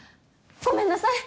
ごめんなさい！